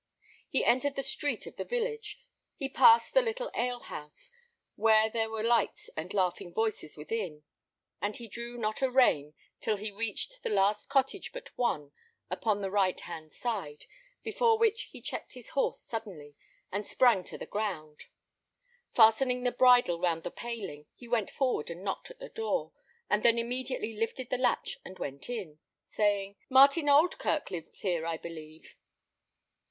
He entered the street of the village; he passed the little alehouse, where there were lights and laughing voices within; and he drew not a rein till he reached the last cottage but one upon the right hand side, before which he checked his horse suddenly, and sprang to the ground. Fastening the bridle round the paling, he went forward and knocked at the door, and then immediately lifted the latch and went in, saying, "Martin Oldkirk lives here, I believe?"